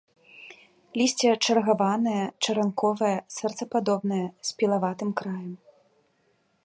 Лісце чаргаванае, чаранковае, сэрцападобнае, з пілаватым краем.